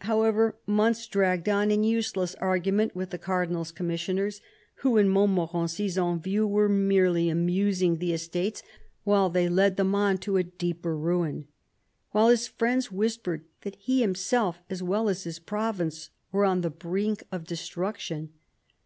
However, months dragged on in useless argument with the Cardinal's com missioners, who, in Montmorency's own view, were merely amusing the Estates while they led them on to a deeper ruin ; while his friends whispered that he himself, as well as his province, was on the brink of destruction.